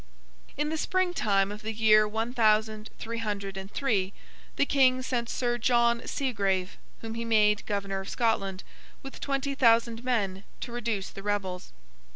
In the spring time of the year one thousand three hundred and three, the King sent Sir John Segrave, whom he made Governor of Scotland, with twenty thousand men, to reduce the rebels.